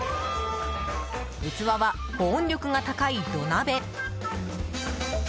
器は保温力が高い土鍋。